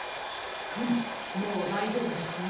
フムもうだいじょうぶですよ。